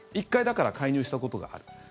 １回、だから介入したことがある。